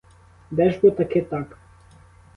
Де ж бо таки так?